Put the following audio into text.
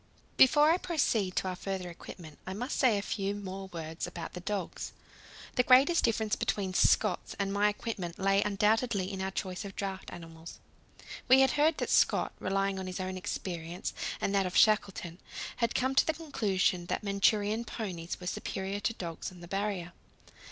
Before I proceed to our further equipment, I must say a few more words about the dogs. The greatest difference between Scott's and my equipment lay undoubtedly in our choice of draught animals. We had heard that Scott, relying on his own experience, and that of Shackleton, had come to the conclusion that Manchurian ponies were superior to dogs on the Barrier.